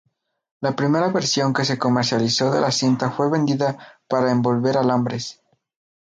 La primera versión que se comercializó de la cinta fue vendida para envolver alambres.